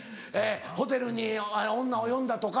ホテルに女を呼んだとか。